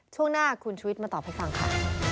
ช่วงหน้าคุณชุวิตมาตอบให้ฟังค่ะ